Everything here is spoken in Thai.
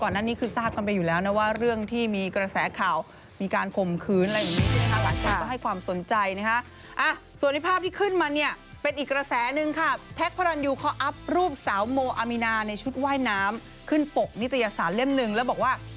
ก่อนนั้นนี่คือทราบกันไปอยู่แล้วนะว่า